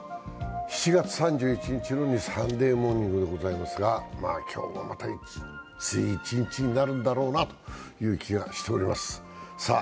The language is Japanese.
７月３１日の「サンデーモーニング」ですが、今日もまた暑い一日になるんだろうなという気がしています。